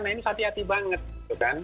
nah ini hati hati banget gitu kan